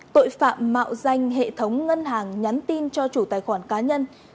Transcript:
tội phạm mạo danh hệ thống ngân hàng nhắn tin cho chủ tài khoản cá nhân